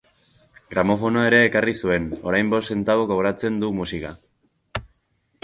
Gramofonoa ere ekarri zuen, orain bost zentabo kobratzen du musika.